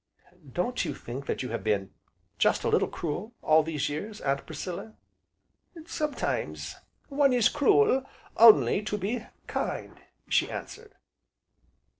Don't you think that you have been just a little cruel all these years, Aunt Priscilla?" "Sometimes one is cruel only to be kind!" she answered.